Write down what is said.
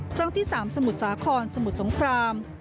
ครั้งที่๓สมุทรสาครสมุทรสงคราม